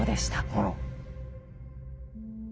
あら。